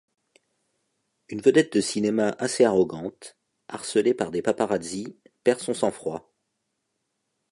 Une vedette de cinéma assez arrogante, harcelé par des paparazzi, perd son sang-froid.